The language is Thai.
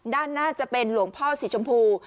ด้านหน้าจะเป็นหลวงพ่อสีชมพู